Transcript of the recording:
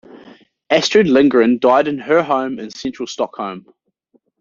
Astrid Lindgren died in her home in central Stockholm.